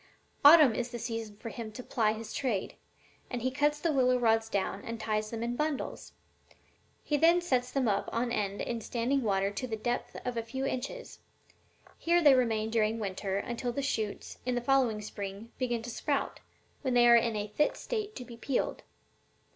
Autumn is the season for him to ply his trade, and he cuts the willow rods down and ties them in bundles. He then sets them up on end in standing water to the depth of a few inches. Here they remain during the winter, until the shoots, in the following spring, begin to sprout, when they are in a fit state to be peeled.